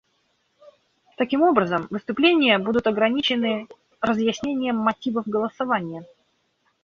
Таким образом, выступления будут ограничены разъяснением мотивов голосования.